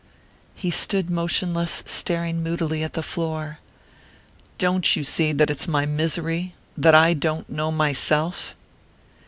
He stood motionless, staring moodily at the floor. "Don't you see that's my misery that I don't know myself?"